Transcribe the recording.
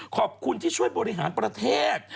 ขอบคุณที่ช่วยบริหารประเทศ